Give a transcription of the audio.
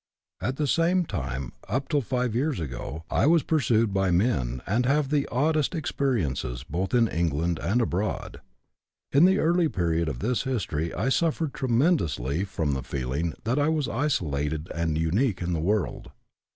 At the same time up till five years ago, I was pursued by men and have had the oddest experiences both in England and abroad. In the early period of this history I suffered tremendously from the feeling that I was isolated and unique in the world.